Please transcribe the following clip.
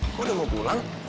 aku udah mau pulang